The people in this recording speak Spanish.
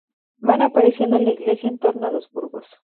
Van apareciendo las iglesias en torno a los burgos.